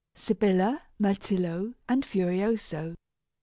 SYBILLA, MYRTILLO, AND FURIOSO.